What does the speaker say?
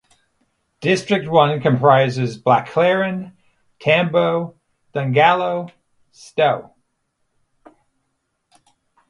District One comprises Baclaran, Tambo, Don Galo, Sto.